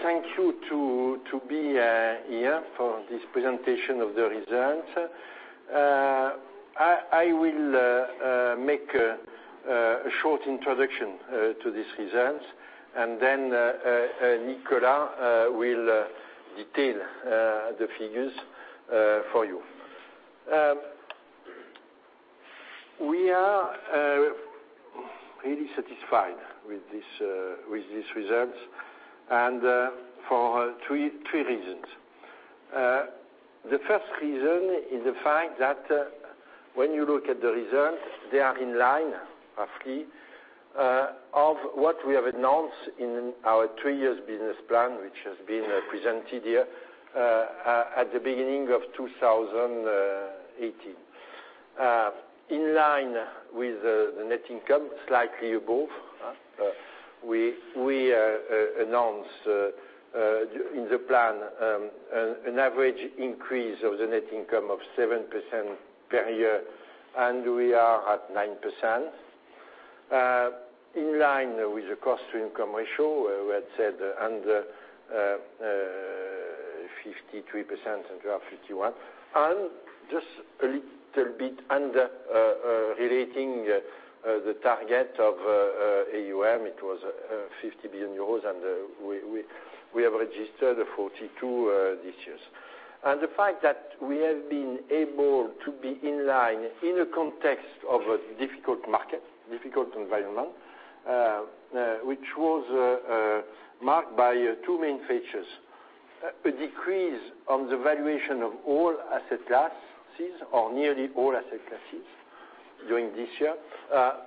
Thank you to be here for this presentation of the results. I will make a short introduction to these results. Nicolas will detail the figures for you. We are really satisfied with these results for three reasons. The first reason is the fact that when you look at the results, they are in line, roughly, with what we have announced in our three-years business plan, which has been presented here at the beginning of 2018. In line with the net income, slightly above. We announced in the plan an average increase of the net income of 7% per year. We are at 9%. In line with the cost-to-income ratio, we had said under 53%. We are 51%. Just a little bit under relating the target of AUM, it was 50 billion euros. We have registered 42 billion this year. The fact that we have been able to be in line in a context of a difficult market, difficult environment, which was marked by two main features. A decrease in the valuation of all asset classes, or nearly all asset classes during this year.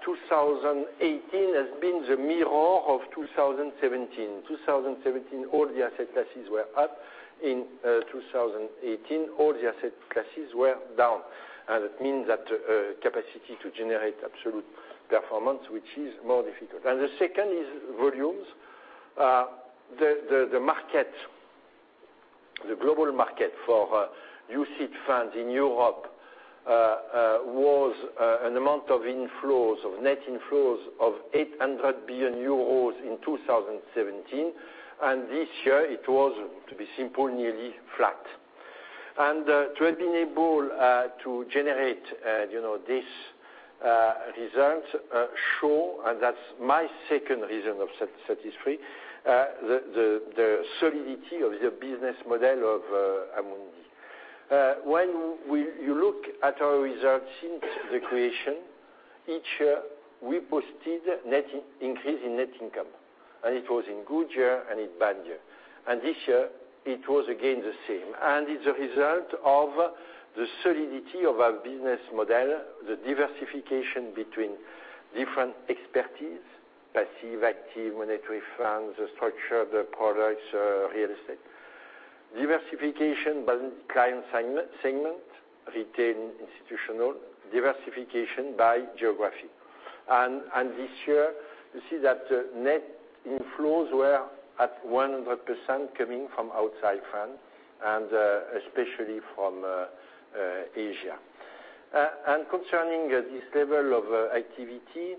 2018 has been the mirror of 2017. In 2017, all the asset classes were up. In 2018, all the asset classes were down. It means that capacity to generate absolute performance, which is more difficult. The second is volumes. The global market for UCITS funds in Europe was an amount of inflows, of net inflows of 800 billion euros in 2017. This year it was, to be simple, nearly flat. To have been able to generate this result shows, that's my second reason of satisfactory, the solidity of the business model of Amundi. When you look at our results since the creation, each year we posted an increase in net income. It was in good year and in bad year. This year it was again the same. It's a result of the solidity of our business model, the diversification between different expertise: passive, active, monetary funds, the structure, the products, real estate. Diversification by client segment: retail, institutional. Diversification by geography. This year you see that net inflows were at 100% coming from outside France, especially from Asia. Concerning this level of activity,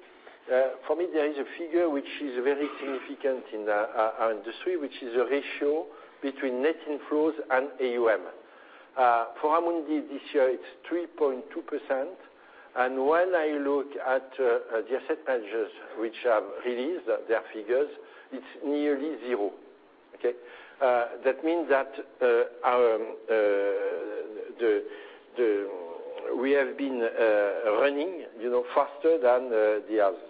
for me, there is a figure which is very significant in our industry, which is a ratio between net inflows and AUM. For Amundi this year it's 3.2%. When I look at the asset managers which have released their figures, it's nearly zero. That means that we have been running faster than the others.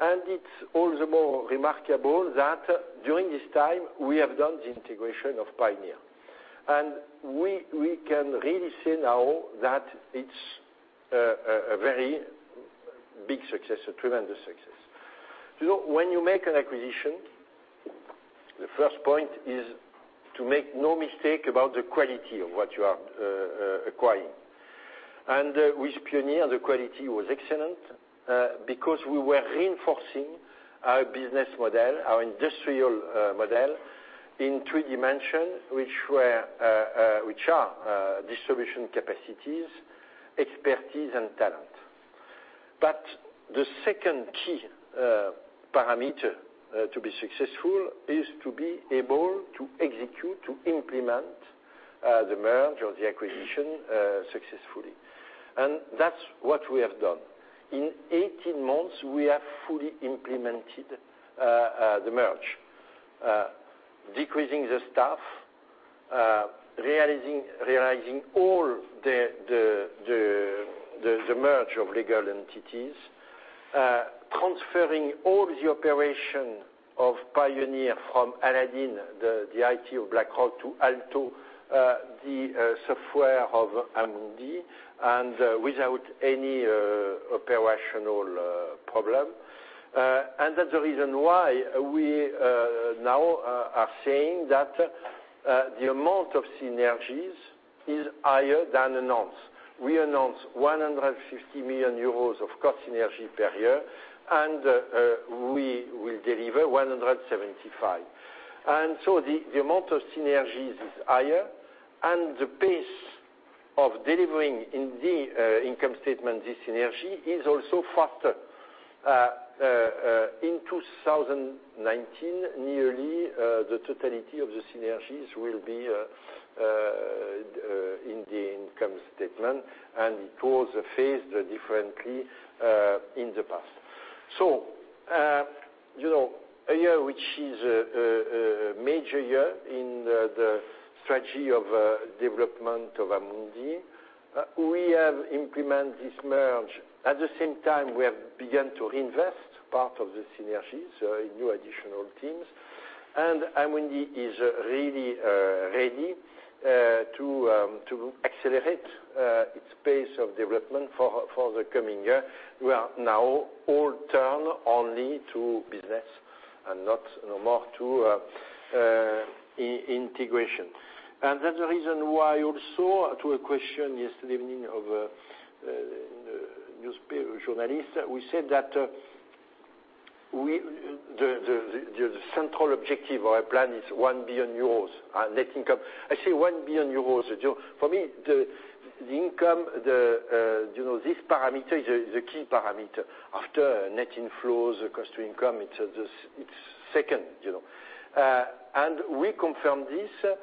It's all the more remarkable that during this time we have done the integration of Pioneer. We can really say now that it's a very big success, a tremendous success. When you make an acquisition, the first point is to make no mistake about the quality of what you are acquiring. With Pioneer, the quality was excellent, because we were reinforcing our business model, our industrial model in 3 dimensions, which are distribution capacities, expertise, and talent. The second key parameter to be successful is to be able to execute, to implement the merge or the acquisition successfully. That's what we have done. In 18 months, we have fully implemented the merge. Decreasing the staff, realizing all the merge of legal entities. Transferring all the operation of Pioneer from Aladdin, the IT of BlackRock, to ALTO, the software of Amundi, and without any operational problem. That's the reason why we now are saying that the amount of synergies is higher than announced. We announced 150 million euros of cost synergy per year, and we will deliver 175 million. So the amount of synergies is higher. The pace of delivering in the income statement, this synergy is also faster. In 2019, nearly the totality of the synergies will be in the income statement, and it was phased differently in the past. A year which is a major year in the strategy of development of Amundi. We have implemented this merge. At the same time, we have begun to reinvest part of the synergies, so new additional teams. Amundi is really ready to accelerate its pace of development for the coming year. We are now all turn only to business, and not more to integration. That's the reason why also to a question yesterday evening of a newspaper journalist, we said that the central objective or our plan is 1 billion euros net income. I say 1 billion euros. For me, the income, this parameter is the key parameter after net inflows, cost-to-income. It's second. We confirm this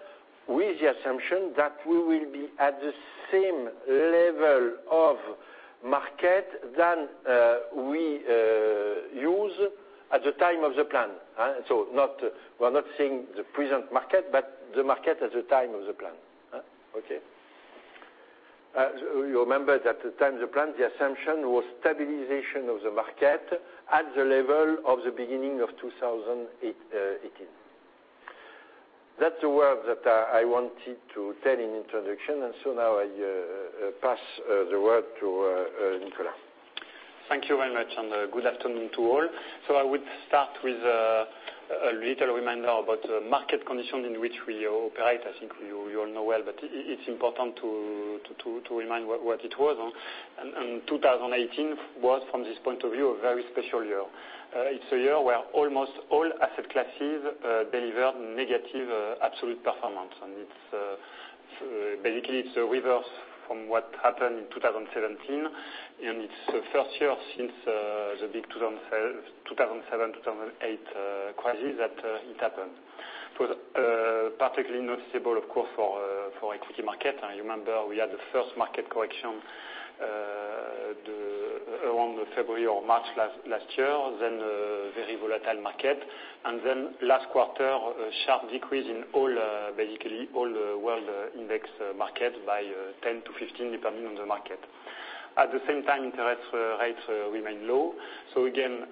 with the assumption that we will be at the same level of market than we use at the time of the plan. We're not saying the present market, but the market at the time of the plan. Okay. You remember that at the time of the plan, the assumption was stabilization of the market at the level of the beginning of 2018. That's the word that I wanted to tell in introduction. Now I pass the word to Nicolas. Thank you very much, and good afternoon to all. I would start with a little reminder about the market condition in which we operate. I think you all know well, but it's important to remind what it was. 2018 was, from this point of view, a very special year. It's a year where almost all asset classes delivered negative absolute performance, and basically, it's a reverse from what happened in 2017, and it's the first year since the big 2007-2008 crisis that it happened. It was particularly noticeable, of course, for equity market. You remember we had the first market correction around February or March last year, then a very volatile market. Then last quarter, a sharp decrease in basically all the world index market by 10%-15%, depending on the market. At the same time, interest rates remain low. Again,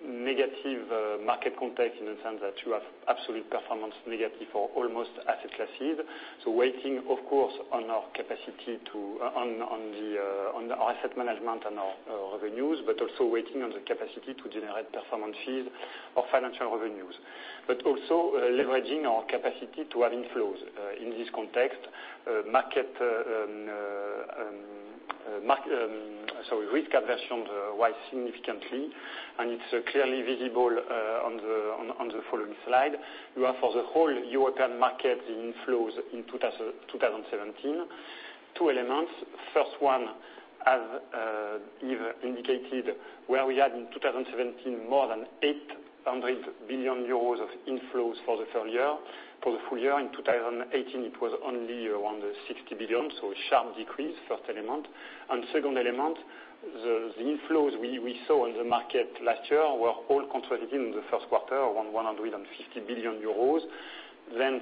negative market context in the sense that you have absolute performance negative for almost asset classes. Waiting, of course, on our asset management and our revenues, but also waiting on the capacity to generate performance fees or financial revenues. Leveraging our capacity to have inflows. In this context, risk aversion rise significantly, and it is clearly visible on the following slide. You have for the whole European market the inflows in 2017. Two elements. First one, as Yves indicated, we had in 2017 more than 800 billion euros of inflows for the full year. In 2018, it was only around 60 billion, a sharp decrease, first element. Second element, the inflows we saw on the market last year were all concentrated in the first quarter on 150 billion euros.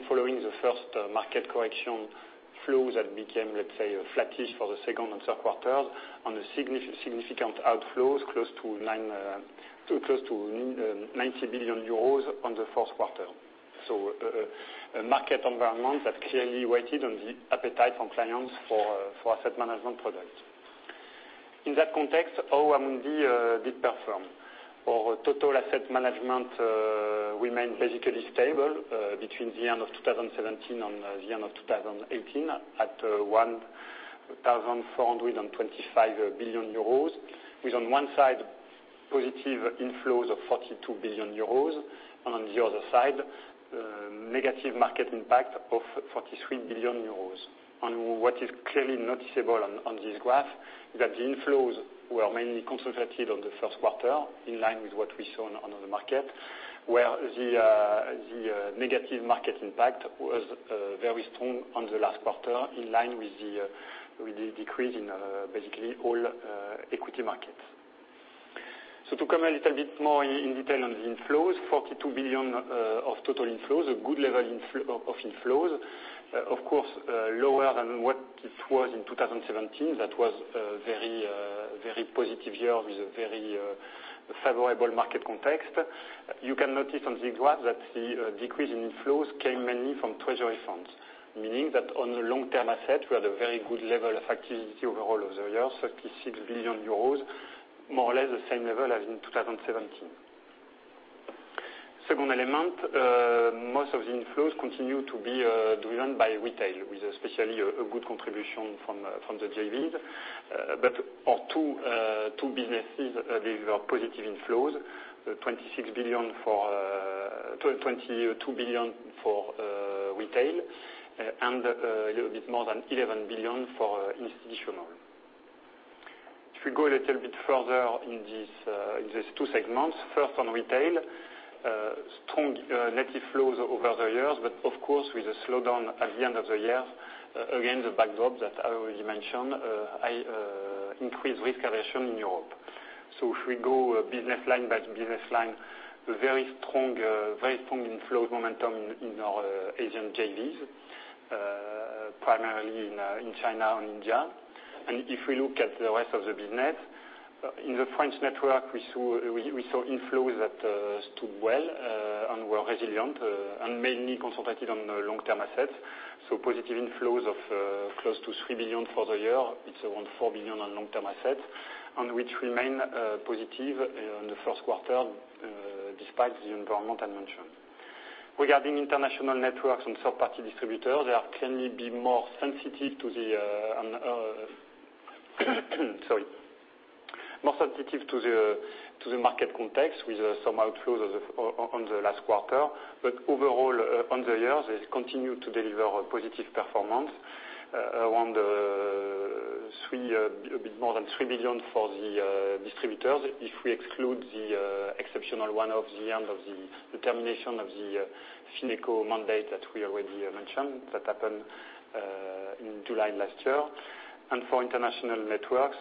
Following the first market correction flows that became, let's say, flattish for the second and third quarters, on a significant outflows close to 90 billion euros on the fourth quarter. A market environment that clearly weighted on the appetite from clients for asset management products. In that context, how Amundi did perform? Our total asset management remained basically stable between the end of 2017 and the end of 2018 at 1,425 billion euros, with on one side, positive inflows of 42 billion euros, and on the other side, negative market impact of 43 billion euros. What is clearly noticeable on this graph is that the inflows were mainly concentrated on the first quarter, in line with what we saw on the market, where the negative market impact was very strong on the last quarter, in line with the decrease in basically all equity markets. To comment a little bit more in detail on the inflows, 42 billion of total inflows, a good level of inflows. Of course, lower than what it was in 2017. That was a very positive year with a very favorable market context. You can notice on this graph that the decrease in inflows came mainly from treasury funds, meaning that on the long-term asset, we had a very good level of activity overall over the years, 36 billion euros, more or less the same level as in 2017. Second element. Most of the inflows continue to be driven by retail, with especially a good contribution from the JVs. Our two businesses, they were positive inflows, 22 billion for retail and a little bit more than 11 billion for institutional. If we go a little bit further in these two segments, first on retail, strong net inflows over the years, but of course, with a slowdown at the end of the year, again, the backdrop that I already mentioned, increased risk aversion in Europe. If we go business line by business line, very strong inflows momentum in our Asian JVs, primarily in China and India. If we look at the rest of the business, in the French network, we saw inflows that stood well and were resilient and mainly concentrated on long-term assets. Positive inflows of close to 3 billion for the year. It is around 4 billion on long-term assets, and which remain positive in the first quarter, despite the environment I mentioned. Regarding international networks and third-party distributors, they are clearly more sensitive to the market context with some outflows on the last quarter. Overall, on the year, they continue to deliver a positive performance around 3 billion for the distributors. If we exclude the exceptional one-off the end of the termination of the FinecoBank mandate that we already mentioned, that happened in July last year. For international networks,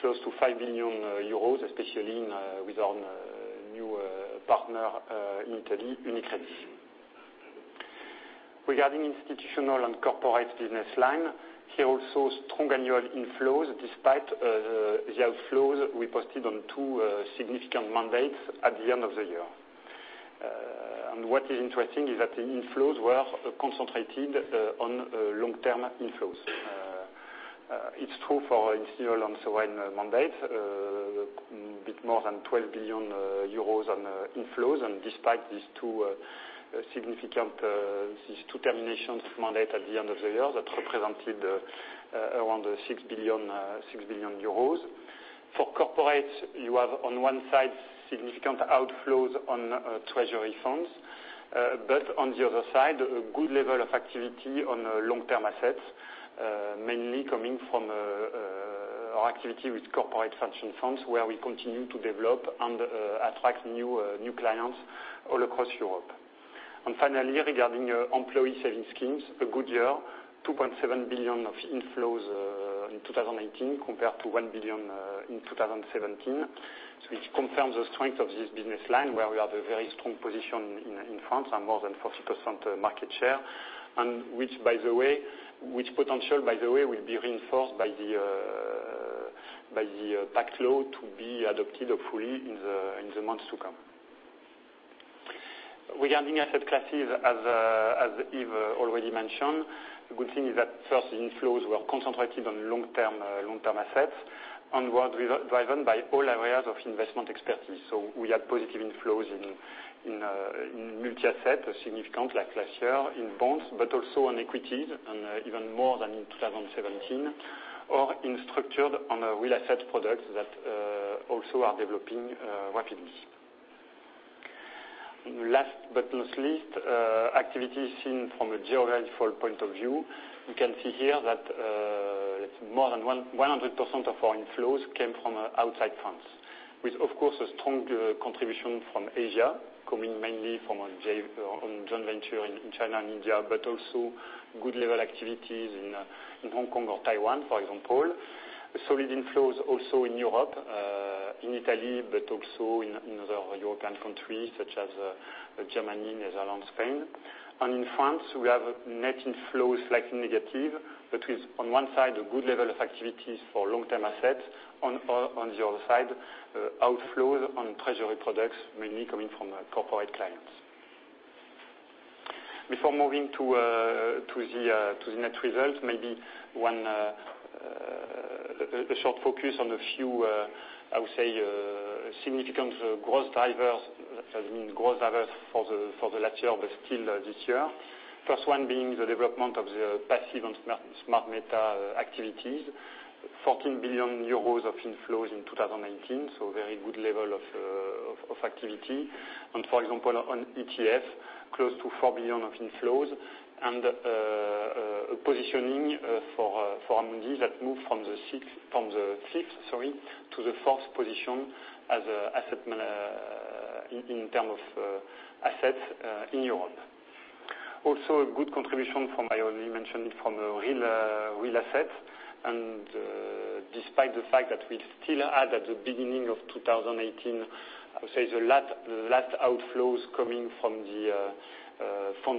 close to 5 billion euros, especially with our new partner in Italy, UniCredit. Regarding institutional and corporate business line, here also strong annual inflows despite the outflows we posted on two significant mandates at the end of the year. What is interesting is that the inflows were concentrated on long-term inflows. It is true for institutional on sovereign mandate, a bit more than 12 billion euros on inflows, despite these two termination mandate at the end of the year that represented around 6 billion euros. For corporate, you have on one side significant outflows on treasury funds, but on the other side, a good level of activity on long-term assets, mainly coming from our activity with corporate pension funds, where we continue to develop and attract new clients all across Europe. Finally, regarding employee savings schemes, a good year, 2.7 billion of inflows in 2018 compared to 1 billion in 2017, which confirms the strength of this business line, where we have a very strong position in France and more than 40% market share, and which potential, by the way, will be reinforced by the tax law to be adopted fully in the months to come. Regarding asset classes, as Yves already mentioned, the good thing is that first inflows were concentrated on long-term assets and were driven by all areas of investment expertise. We had positive inflows in multi-asset, significant like last year in bonds, but also on equities and even more than in 2017, or in structured on real asset products that also are developing rapidly. Last but not least, activity seen from a geographical point of view. We can see here that more than 100% of our inflows came from outside France, with, of course, a strong contribution from Asia, coming mainly from a joint venture in China and India, but also good level activities in Hong Kong or Taiwan, for example. Solid inflows also in Europe, in Italy, but also in other European countries such as Germany, Netherlands, Spain. In France, we have net inflows slightly negative, but with on one side, a good level of activities for long-term assets, on the other side, outflows on treasury products, mainly coming from corporate clients. Before moving to the net results, maybe a short focus on a few, I would say, significant growth drivers for the latter, but still this year. First one being the development of the passive and smart beta activities, 14 billion euros of inflows in 2019, a very good level of activity. For example, on ETF, close to 4 billion of inflows and a positioning for Amundi that moved from the fifth to the fourth position in terms of assets in Europe. Also, a good contribution from, I already mentioned, from real assets, despite the fact that we still had at the beginning of 2018, I would say, the last outflows coming from the fund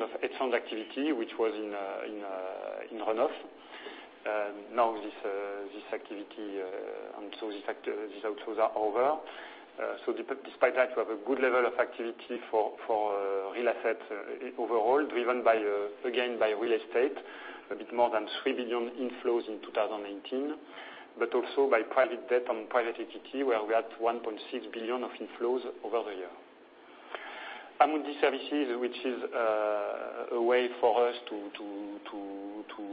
of hedge funds activity, which was in runoff. This activity and these outflows are over. Despite that, we have a good level of activity for real assets overall, driven again by real estate, a bit more than 3 billion inflows in 2018. Also by private debt on private equity, where we had 1.6 billion of inflows over the year. Amundi Services, which is a way for us to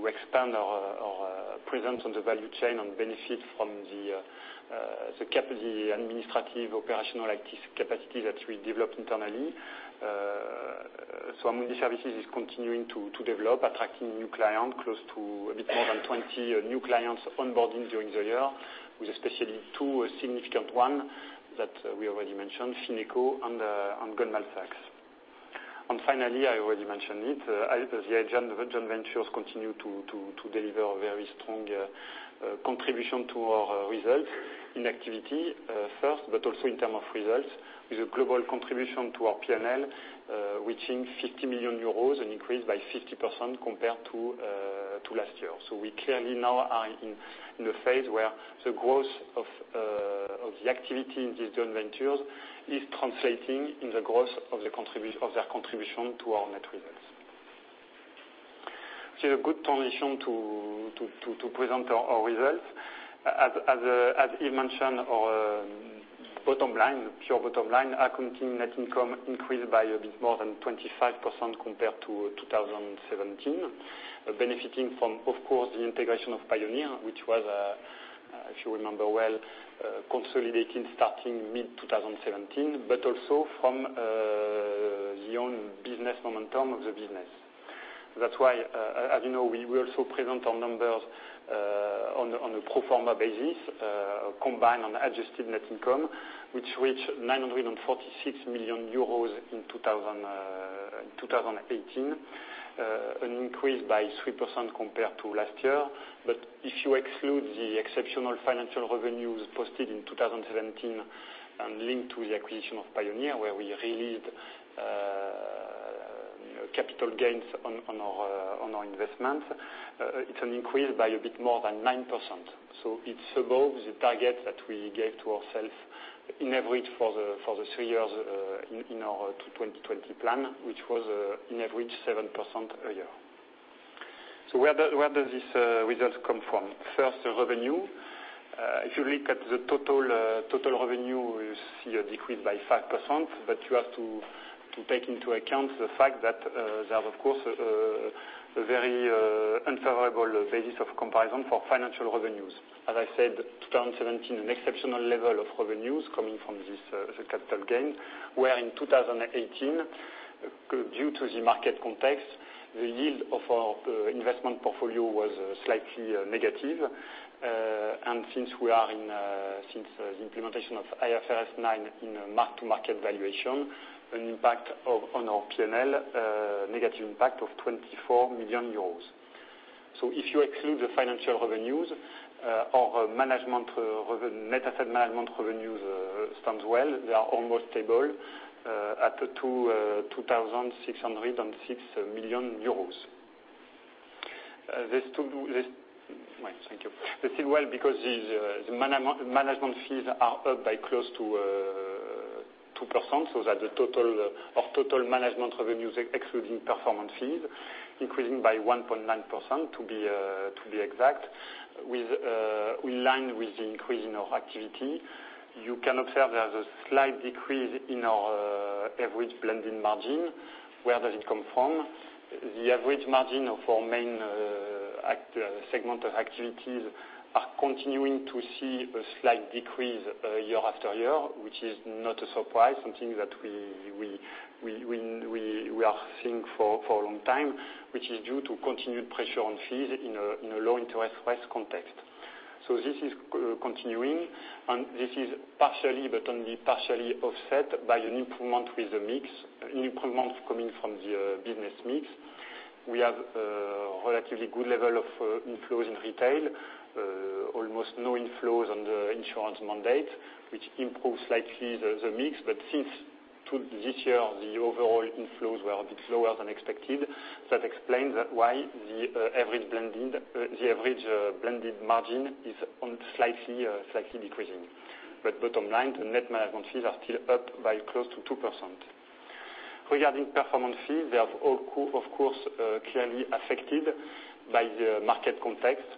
expand our presence on the value chain and benefit from the administrative operational capacity that we developed internally. Amundi Services is continuing to develop, attracting new clients, close to a bit more than 20 new clients onboarding during the year, with especially two significant ones that we already mentioned, Fineco and Goldman Sachs. Finally, I already mentioned it, the joint ventures continue to deliver very strong contribution to our results in activity first, but also in terms of results, with a global contribution to our P&L reaching 50 million euros, an increase by 50% compared to last year. We clearly now are in the phase where the growth of the activity in these joint ventures is translating in the growth of their contribution to our net results. See a good transition to present our results. As Yves mentioned, our pure bottom line accounting net income increased by a bit more than 25% compared to 2017, benefiting from, of course, the integration of Pioneer, which was, if you remember well, consolidating starting mid-2017, but also from the own business momentum of the business. That's why, as you know, we also present our numbers on a pro forma basis, combined on adjusted net income, which reached 946 million euros in 2018, an increase by 3% compared to last year. If you exclude the exceptional financial revenues posted in 2017 and linked to the acquisition of Pioneer, where we released capital gains on our investment, it's an increase by a bit more than 9%. It's above the target that we gave to ourselves in average for the three years in our 2020 plan, which was on average 7% a year. Where does this result come from? First, the revenue. If you look at the total revenue, you see a decrease by 5%, but you have to take into account the fact that there's, of course, a very unfavorable basis of comparison for financial revenues. As I said, 2017, an exceptional level of revenues coming from this capital gain, where in 2018, due to the market context, the yield of our investment portfolio was slightly negative. Since the implementation of IFRS 9 in a mark-to-market valuation, an impact on our P&L, a negative impact of 24 million euros. If you exclude the financial revenues, our net asset management revenues stands well. They are almost stable at EUR 2,606 million. Thank you. They did well because the management fees are up by close to 2%, so that our total management revenues, excluding performance fees, increasing by 1.9% to be exact, in line with the increase in our activity. You can observe there's a slight decrease in our average blending margin. Where does it come from? The average margin of our main segment of activities are continuing to see a slight decrease year after year, which is not a surprise, something that we are seeing for a long time, which is due to continued pressure on fees in a low interest rate context. This is continuing, and this is partially, but only partially offset by an improvement coming from the business mix. We have a relatively good level of inflows in retail, almost no inflows on the insurance mandate, which improves slightly the mix, but since this year, the overall inflows were a bit lower than expected. That explains why the average blended margin is slightly decreasing. Bottom line, the net management fees are still up by close to 2%. Regarding performance fees, they are, of course, clearly affected by the market context.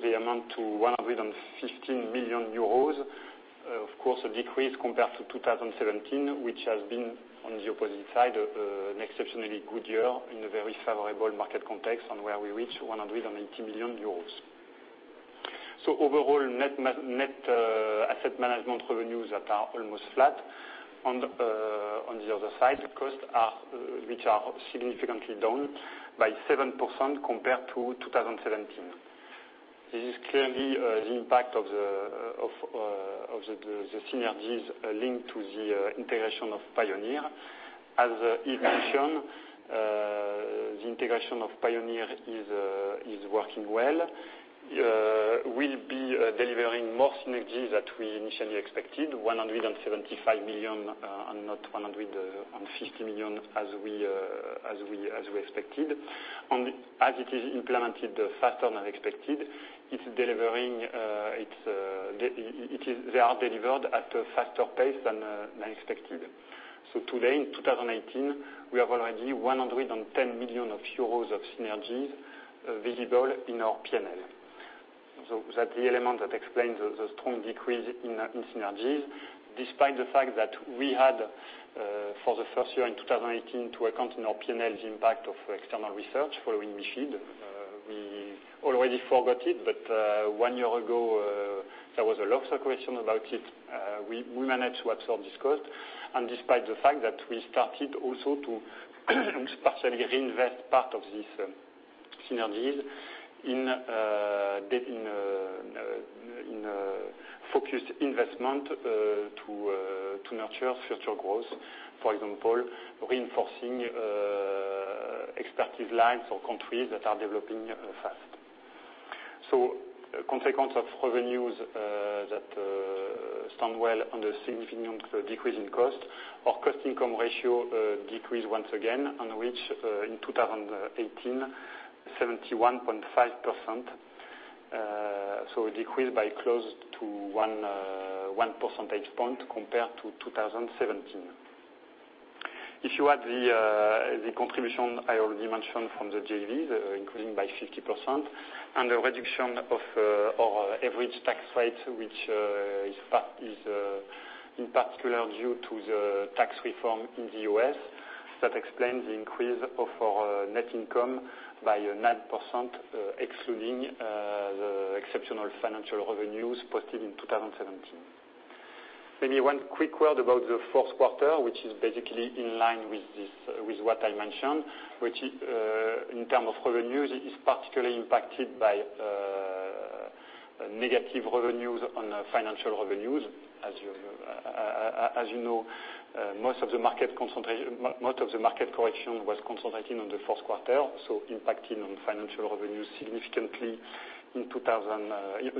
They amount to 115 million euros. Of course, a decrease compared to 2017, which has been, on the opposite side, an exceptionally good year in a very favorable market context and where we reached 180 million euros. Overall, net asset management revenues that are almost flat. On the other side, costs, which are significantly down by 7% compared to 2017. This is clearly the impact of the synergies linked to the integration of Pioneer. As Yves mentioned, the integration of Pioneer is working well. We will be delivering more synergies than we initially expected, 175 million and not 150 million as we expected. And as it is implemented faster than expected, they are delivered at a faster pace than expected. So today, in 2018, we have already 110 million euros of synergies visible in our P&L. That's the element that explains the strong decrease in synergies, despite the fact that we had, for the first year in 2018, to account in our P&L the impact of external research following MiFID. We already forgot it, but one year ago, there was a lot of questions about it. We managed to absorb this cost, despite the fact that we started also to partially reinvest part of these synergies in a focused investment to nurture future growth. For example, reinforcing expertise lines or countries that are developing fast. Consequence of revenues that stand well and the significant decrease in cost, our cost-to-income ratio decreased once again, and reached, in 2018, 71.5%. It decreased by close to one percentage point compared to 2017. If you add the contribution I already mentioned from the JVs, increasing by 50%, and the reduction of our average tax rate, which is in particular due to the tax reform in the U.S., that explains the increase of our net income by 9%, excluding the exceptional financial revenues posted in 2017. Maybe one quick word about the fourth quarter, which is basically in line with what I mentioned, which in terms of revenues, is particularly impacted by negative revenues on financial revenues. As you know, most of the market correction was concentrated on the fourth quarter, so impacting on financial revenues significantly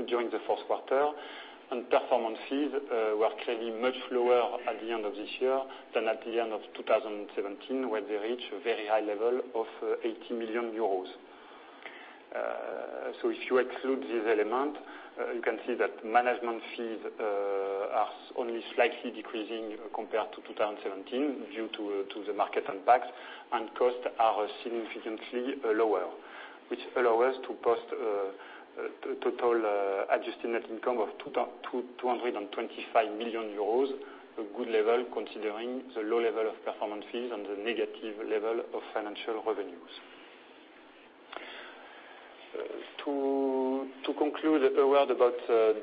during the fourth quarter. Performance fees were clearly much lower at the end of this year than at the end of 2017, where they reached a very high level of 80 million euros. If you exclude this element, you can see that management fees are only slightly decreasing compared to 2017 due to the market impacts, and costs are significantly lower, which allow us to post a total adjusted net income of 225 million euros, a good level considering the low level of performance fees and the negative level of financial revenues. To conclude, a word about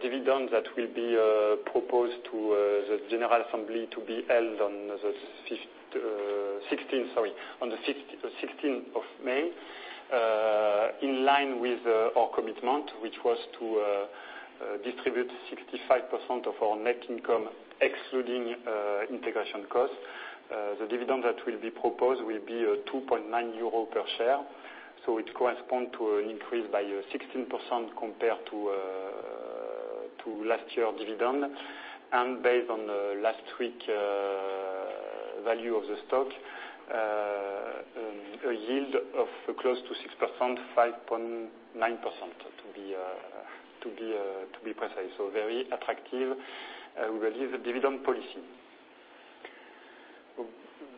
dividend that will be proposed to the general assembly to be held on the 16th of May. In line with our commitment, which was to distribute 65% of our net income, excluding integration costs. The dividend that will be proposed will be 2.9 euro per share. It corresponds to an increase by 16% compared to last year's dividend. Based on last week's value of the stock, a yield of close to 6%, 5.9% to be precise. Very attractive dividend policy.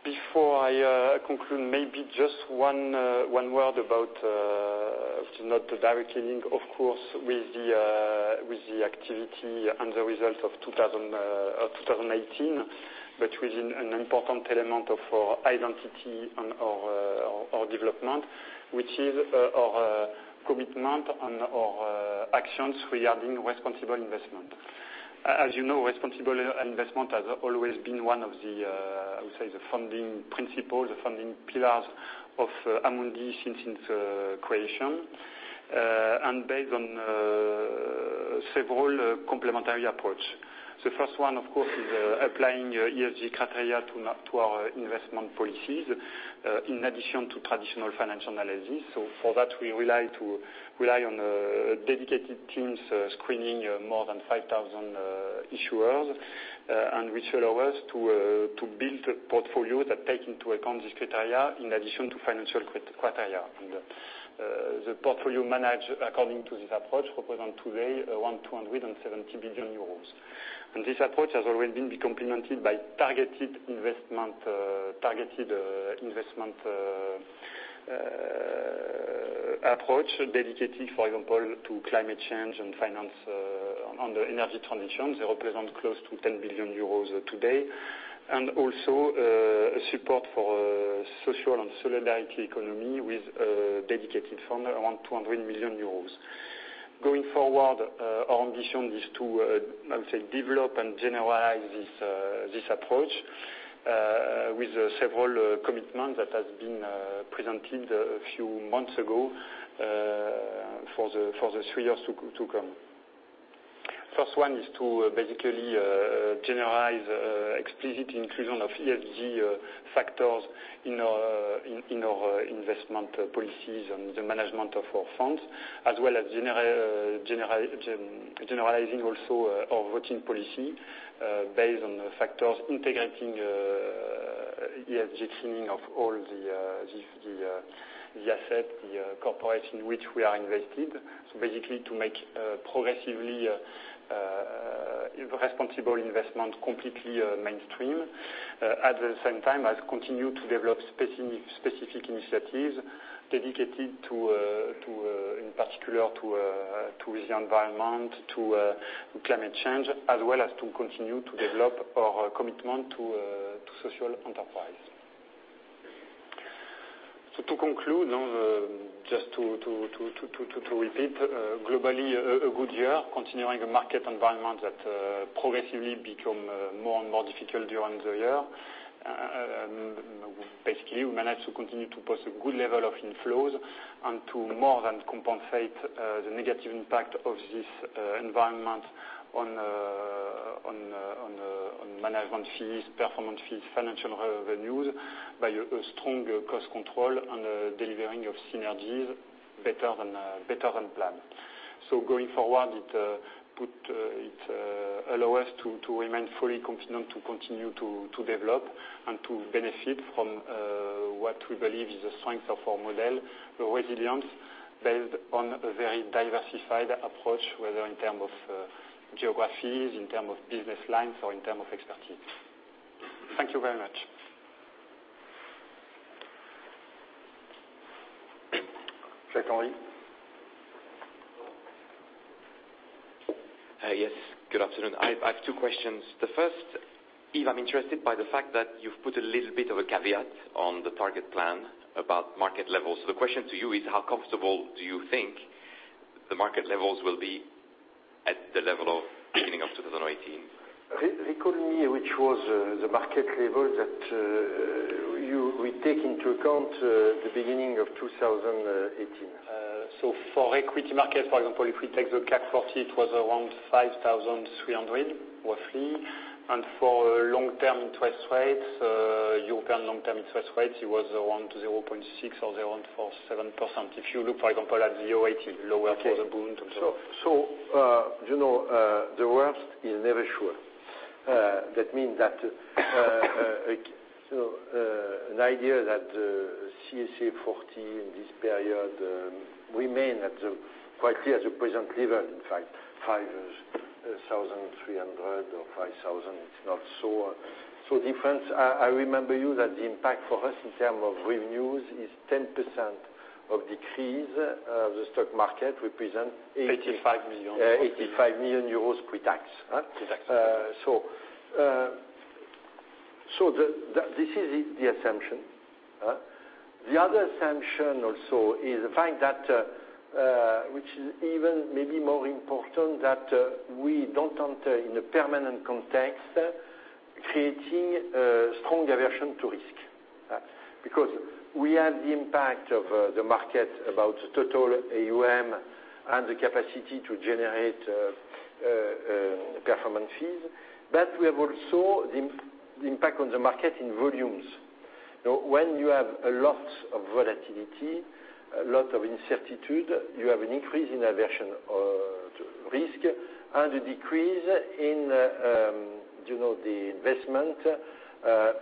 Before I conclude, maybe just one word about, it's not directly linked, of course, with the activity and the results of 2018, but with an important element of our identity and our development, which is our commitment and our actions regarding responsible investment. As you know, responsible investment has always been one of the, I would say, the founding principles, the founding pillars of Amundi since its creation, based on several complementary approach. The first one, of course, is applying ESG criteria to our investment policies, in addition to traditional financial analysis. For that, we rely on dedicated teams screening more than 5,000 issuers, and which allow us to build portfolios that take into account these criteria in addition to financial criteria. The portfolio managed according to this approach represent today around 270 billion euros. This approach has already been complemented by targeted investment approach dedicated, for example, to climate change and finance on the energy transition. They represent close to 10 billion euros today. Also, a support for social and solidarity economy with a dedicated fund around 200 million euros. Going forward, our ambition is to, I would say, develop and generalize this approach, with several commitments that has been presented a few months ago, for the three years to come. First one is to basically generalize explicit inclusion of ESG factors in our investment policies and the management of our funds, as well as generalizing also our voting policy, based on factors integrating the asset, the corporation which we are invested. Basically to make progressively responsible investment completely mainstream. At the same time, as continue to develop specific initiatives dedicated, in particular, to the environment, to climate change, as well as to continue to develop our commitment to social enterprise. To conclude, just to repeat, globally, a good year continuing a market environment that progressively become more and more difficult during the year. Basically, we managed to continue to post a good level of inflows and to more than compensate the negative impact of this environment on management fees, performance fees, financial revenues by a strong cost control and delivering of synergies better than planned. Going forward, it allow us to remain fully confident to continue to develop and to benefit from what we believe is the strength of our model, resilience based on a very diversified approach, whether in term of geographies, in term of business lines, or in term of expertise. Thank you very much. Jacques-Henri. Yes, good afternoon. I have two questions. The first, Yves, I'm interested by the fact that you've put a little bit of a caveat on the target plan about market levels. The question to you is, how comfortable do you think the market levels will be at the level of beginning of 2018? Recollect which was the market level that you will take into account the beginning of 2018. For equity market, for example, if we take the CAC 40, it was around 5,300 roughly, and for European long-term interest rates, it was around 0.6 or around 47%. If you look, for example, at the. [inaudible] Okay. The worst is never sure. That mean that an idea that CAC 40 in this period, remain at the quite clear at the present level, in fact, 5,300 or 5,000. It's not so different. I remember you that the impact for us in term of revenues is 10% of decrease of the stock market represent 85 million. 85 million euros pre-tax. Pre-tax. This is the assumption. The other assumption also is the fact that, which is even maybe more important, that we don't enter in a permanent context, creating a strong aversion to risk. We have the impact of the market about total AUM and the capacity to generate performance fees. We have also the impact on the market in volumes. When you have a lot of volatility, a lot of incertitude, you have an increase in aversion of risk and a decrease in the investment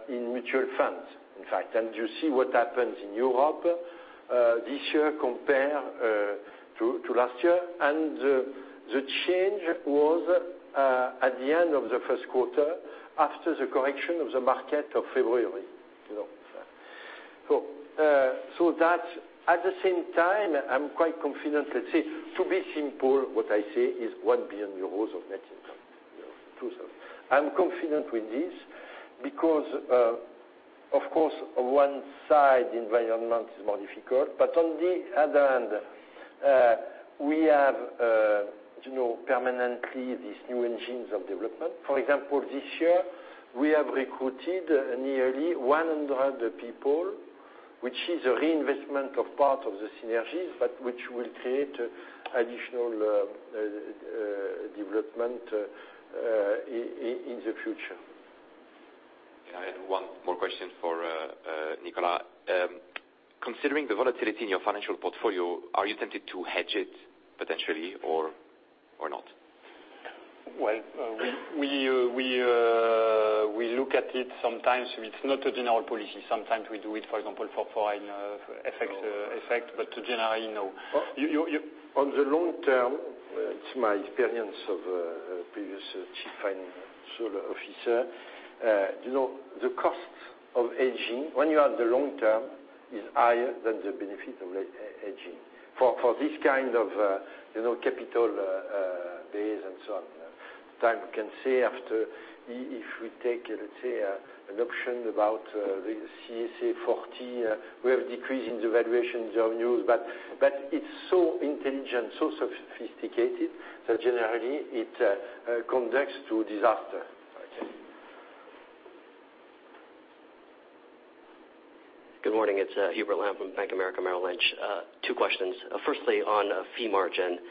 in mutual funds, in fact. You see what happens in Europe, this year compare to last year, and the change was at the end of the first quarter after the correction of the market of February. That at the same time, I'm quite confident. Let's say, to be simple, what I say is 1 billion euros of net impact. I'm confident with this because, of course, one side environment is more difficult, but on the other hand, we have permanently these new engines of development. For example, this year we have recruited nearly 100 people, which is a reinvestment of part of the synergies, but which will create additional development in the future. Yeah. I had one more question for Nicolas. Considering the volatility in your financial portfolio, are you tempted to hedge it potentially or not? Well, we look at it sometimes. It's not a general policy. Sometimes we do it, for example, for foreign effect, generally, no. On the long term, it's my experience of previous chief financial officer. The cost of hedging, when you are the long term, is higher than the benefit of hedging. For this kind of capital days and so on. Time we can say after if we take, let's say, an option about the CAC 40, we have decrease in the valuation of revenues. It's so intelligent, so sophisticated that generally, it conducts to disaster. Okay. Good morning. It's Hubert Lam, Bank of America, Merrill Lynch. Two questions. Firstly, on fee margin.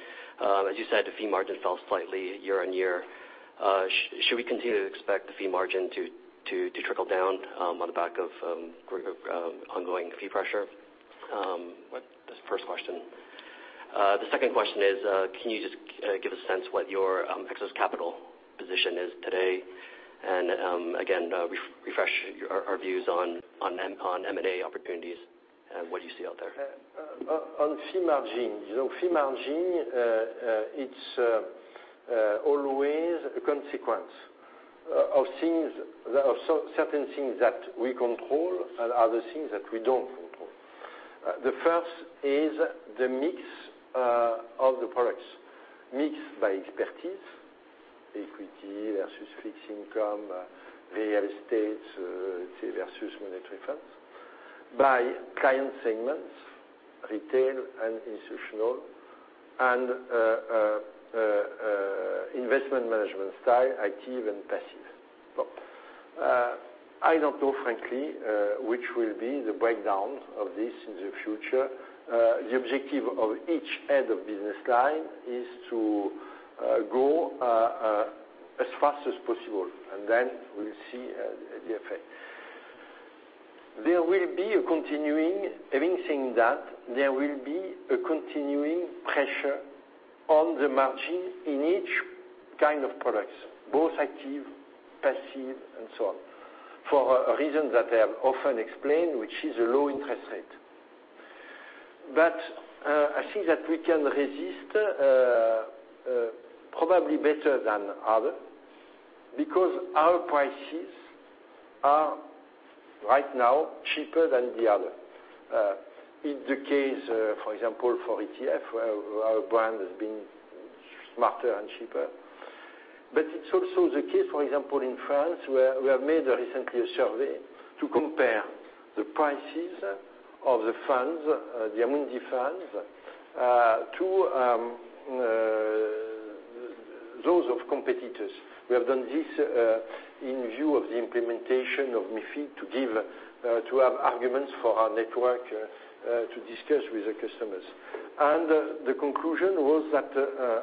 As you said, the fee margin fell slightly year-on-year. Should we continue to expect the fee margin to trickle down on the back of ongoing fee pressure? That's the first question. The second question is, can you just give a sense what your excess capital position is today? Again, refresh our views on M&A opportunities and what you see out there. On fee margin. Fee margin, it's always a consequence of certain things that we control and other things that we don't control. The first is the mix of the products. Mix by expertise, equity versus fixed income, real estate say, versus monetary funds, by client segments, retail and institutional, and investment management style, active and passive. I don't know frankly, which will be the breakdown of this in the future. The objective of each head of business line is to grow as fast as possible. Then we'll see the effect. Having said that, there will be a continuing pressure on the margin in each kind of products, both active, passive, and so on, for a reason that I have often explained, which is a low interest rate. I think that we can resist, probably better than others, because our prices are right now cheaper than the others. In the case, for example, for ETF, our brand has been smarter and cheaper. It's also the case, for example, in France, where we have made recently a survey to compare the prices of the Amundi funds, to those of competitors. We have done this in view of the implementation of MiFID to have arguments for our network to discuss with the customers. The conclusion was that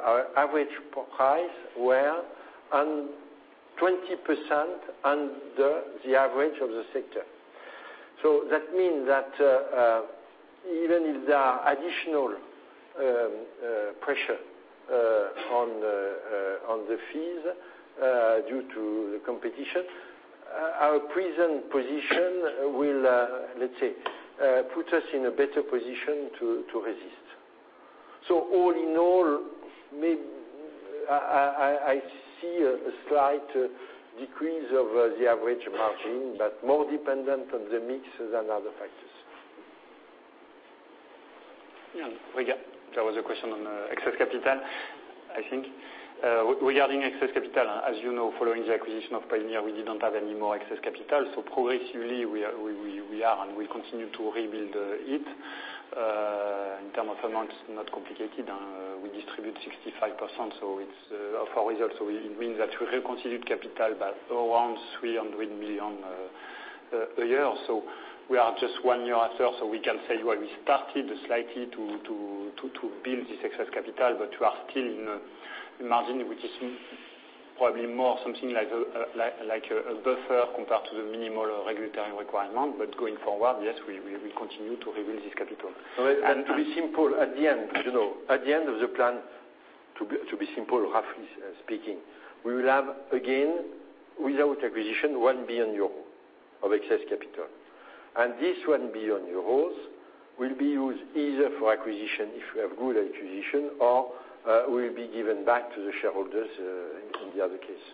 our average price were on 20% under the average of the sector. That means that, even if there are additional pressure on the fees due to the competition, our present position will, let's say, put us in a better position to resist. All in all, I see a slight decrease of the average margin, but more dependent on the mix than other factors. Yeah. There was a question on excess capital, I think. Regarding excess capital, as you know, following the acquisition of Pioneer, we didn't have any more excess capital. Progressively, we are and we continue to rebuild it. In terms of amount, not complicated. We distribute 65% of our results. It means that we have constituted capital by around 300 million a year. We are just one year after. We can say we started slightly to build this excess capital, but we are still in a margin which is probably more something like a buffer compared to the minimal regulatory requirement. Going forward, yes, we will continue to rebuild this capital. To be simple, at the end of the plan, roughly speaking, we will have again, without acquisition, 1 billion euro of excess capital. This 1 billion euros will be used either for acquisition, if we have good acquisition, or will be given back to the shareholders in the other case.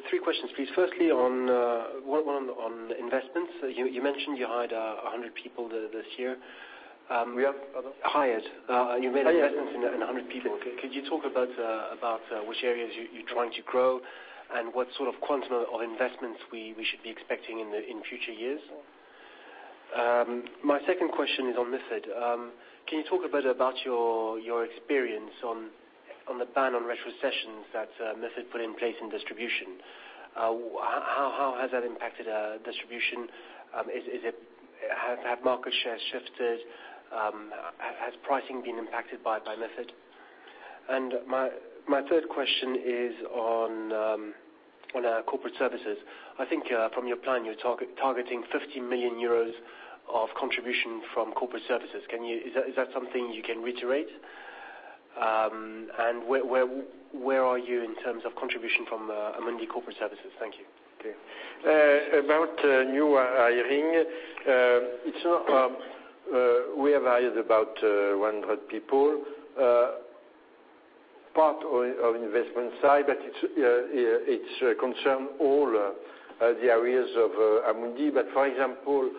[inaudible] Three questions, please. Firstly, on investments. You mentioned you hired 100 people this year. We have? Pardon. Hired. You made investments in 100 people. Could you talk about which areas you're trying to grow and what sort of quantum of investments we should be expecting in future years? My second question is on MiFID. Can you talk a bit about your experience on the ban on retrocessions that MiFID put in place in distribution? How has that impacted distribution? Have market shares shifted? Has pricing been impacted by MiFID? My third question is on corporate services. I think from your plan, you're targeting 50 million euros of contribution from corporate services. Is that something you can reiterate? Where are you in terms of contribution from Amundi corporate services? Thank you. Okay. About new hiring. We have hired about 100 people. Part of investment side, but it concern all the areas of Amundi. For example,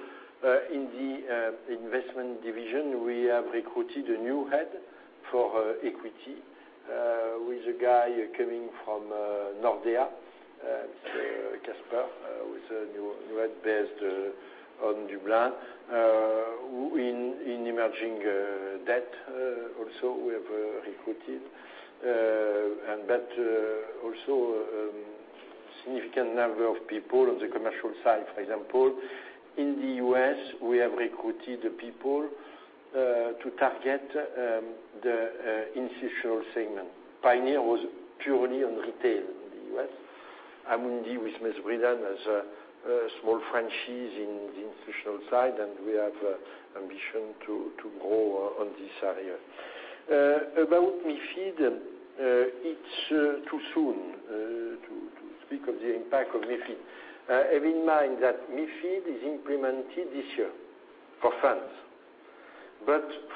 in the investment division, we have recruited a new head for equity, with a guy coming from Nordea, Mr. Kasper, who is a new head based on Dublin. In emerging debt, also, we have recruited. Also, significant number of people on the commercial side. For example, in the U.S., we have recruited people to target the institutional segment. Pioneer was purely on retail in the U.S. Amundi with MassMutual has a small franchise in the institutional side, and we have ambition to grow on this area. About MiFID, it's too soon to speak of the impact of MiFID. Have in mind that MiFID is implemented this year for funds.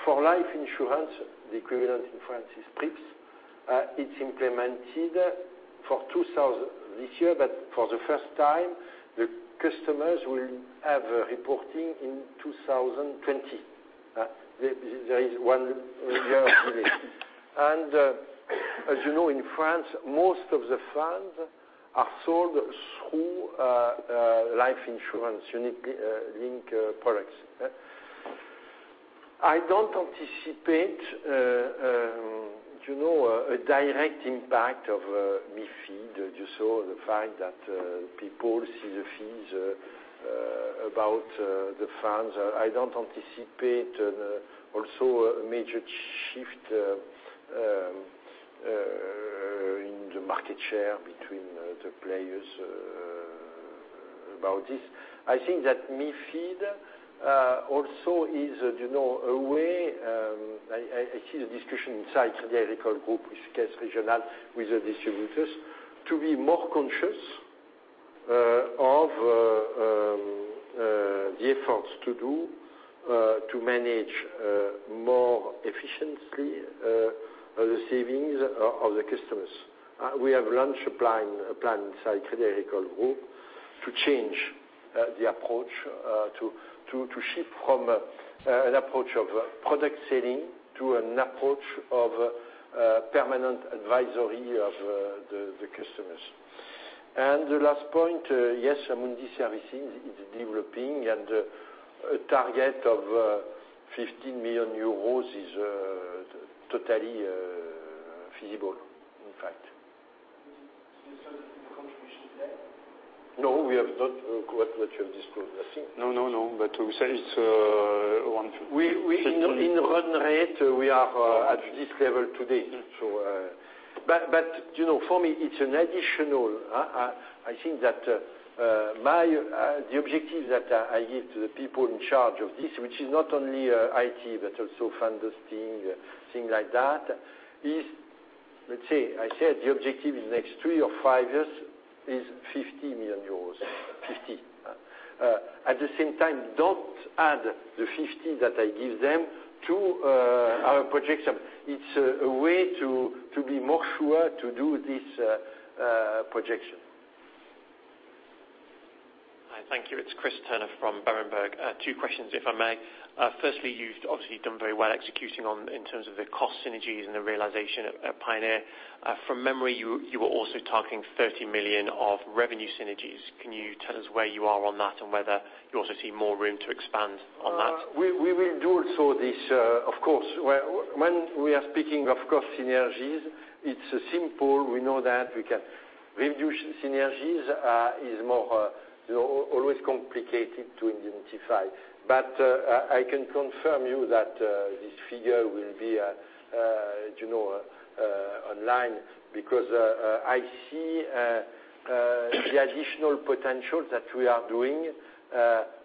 For life insurance, the equivalent in France is PRIIPs, it's implemented this year. For the first time, the customers will have reporting in 2020. There is one year of delay. As you know, in France, most of the funds are sold through life insurance unit-linked products. I don't anticipate a direct impact of MiFID. You saw the fact that people see the fees about the funds. I don't anticipate also a major shift in the market share between the players about this. I think that MiFID also is a way, I see the discussion inside Crédit Agricole group with CACEIS regional, with the distributors, to be more conscious of the efforts to do to manage more efficiently the savings of the customers. We have launched a plan inside Crédit Agricole group to change the approach, to shift from an approach of product selling to an approach of permanent advisory of the customers. The last point, yes, Amundi Services is developing and a target of 15 million euros is totally feasible, in fact. Do you see the contribution today? No, we have not got much of this progressing. No, but we said it's a. In run rate, we are at this level today. For me, it's an additional. I think that the objective that I give to the people in charge of this, which is not only IT, but also funding, things like that is the objective in the next three or five years is 50 million euros. 50. At the same time, don't add the 50 that I give them to our projection. It's a way to be more sure to do this projection. Hi, thank you. It's Chris Turner from Berenberg. Two questions, if I may. Firstly, you've obviously done very well executing in terms of the cost synergies and the realization at Pioneer. From memory, you were also targeting 30 million of revenue synergies. Can you tell us where you are on that, and whether you also see more room to expand on that? We will do also this, of course. When we are speaking of cost synergies, it's simple. We know that. We can reduce synergies. It is more always complicated to identify. I can confirm you that this figure will be online, because I see the additional potential that we are doing.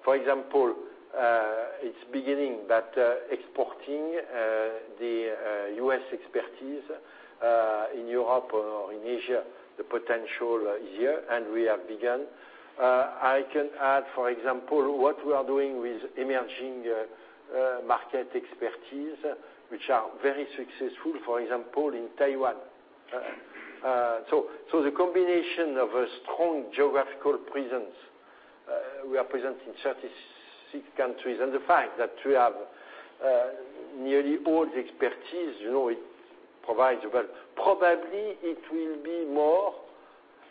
For example, it's beginning but exporting the U.S. expertise in Europe or in Asia, the potential is here, and we have begun. I can add, for example, what we are doing with emerging market expertise, which are very successful, for example, in Taiwan. The combination of a strong geographical presence, we are present in 36 countries, and the fact that we have nearly all the expertise, it provides, but probably it will be more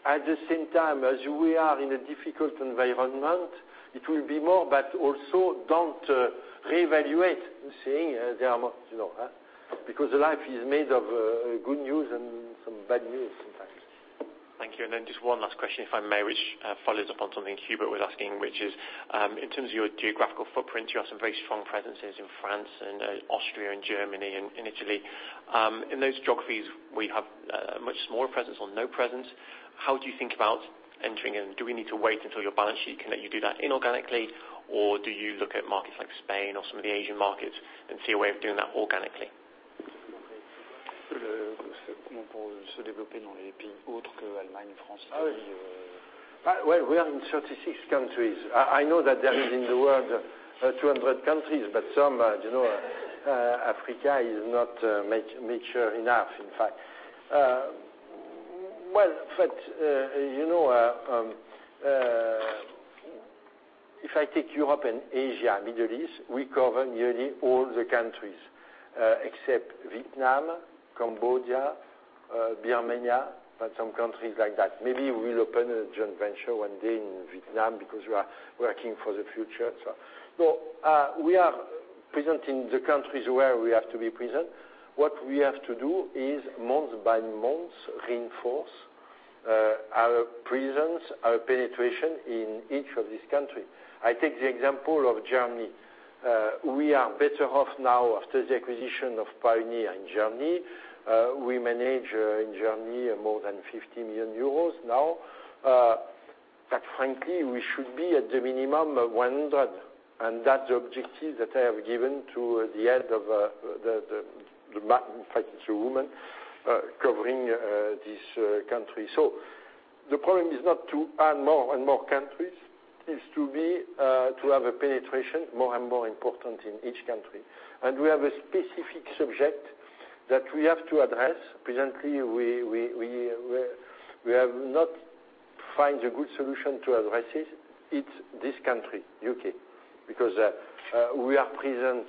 at the same time as we are in a difficult environment. It will be more, but also don't reevaluate, I'm saying, because life is made of good news and some bad news sometimes. Thank you. Just one last question, if I may, which follows up on something Hubert was asking, which is, in terms of your geographical footprint, you have some very strong presences in France and Austria and Germany and in Italy. In those geographies, we have a much smaller presence or no presence. How do you think about entering, and do we need to wait until your balance sheet can let you do that inorganically, or do you look at markets like Spain or some of the Asian markets and see a way of doing that organically? Well, we are in 36 countries. I know that there is in the world 200 countries, Africa is not mature enough, in fact. If I take Europe and Asia and Middle East, we cover nearly all the countries, except Vietnam, Cambodia, Myanmar, but some countries like that. Maybe we will open a joint venture one day in Vietnam because we are working for the future. We are present in the countries where we have to be present. What we have to do is month by month reinforce our presence, our penetration in each of these countries. I take the example of Germany. We are better off now after the acquisition of Pioneer in Germany. We manage, in Germany, more than 50 million euros now. Frankly, we should be at the minimum of 100. That's the objective that I have given to the end of the man, in fact, it's a woman, covering this country. The problem is not to add more and more countries, it's to have a penetration more and more important in each country. We have a specific subject that we have to address. Presently, we have not find a good solution to address it. It's this country, U.K., because we are present